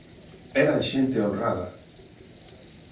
Eran xente honrada.